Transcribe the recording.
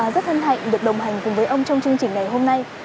rất hân hạnh được đồng hành cùng với ông trong chương trình ngày hôm nay